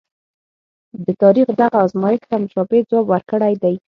د تاریخ دغه ازمایښت ته مشابه ځواب ورکړی دی.